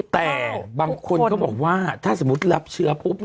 แต่บางคนก็บอกว่าถ้าสมมุติรับเชื้อปุ๊บ